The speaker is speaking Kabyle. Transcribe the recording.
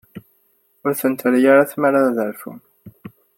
Ur ten-terri ara tmara ad rfun.